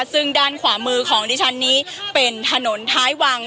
ซึ่งด้านขวามือของดิฉันนี้เป็นถนนท้ายวัง